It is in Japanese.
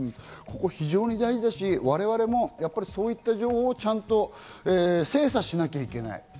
ここ非常に大事だし、我々もそういった情報をちゃんと精査しなきゃいけない。